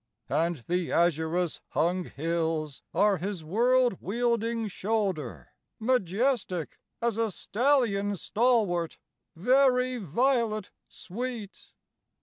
And the azurous hung hills are his world wielding shoulder Majestic as a stallion stalwart, very violet sweet!